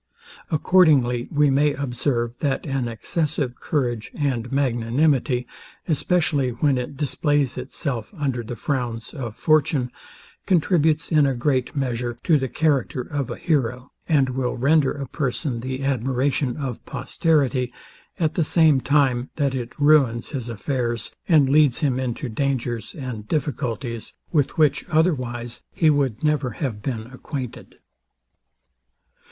Accordingly we may observe, that an excessive courage and magnanimity, especially when it displays itself under the frowns of fortune, contributes in a great measure, to the character of a hero, and will render a person the admiration of posterity; at the same time, that it ruins his affairs, and leads him into dangers and difficulties, with which otherwise he would never have been acquainted.